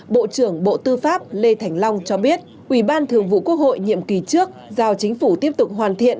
bộ trưởng bộ tư pháp lê thành long cho biết ủy ban thường vụ quốc hội nhiệm kỳ trước giao chính phủ tiếp tục hoàn thiện